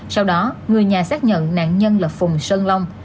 sau đó người nhà xác nhận nạn nhân là phùng sơn long